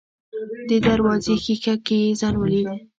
د دروازې ښيښه کې يې ځان وليد.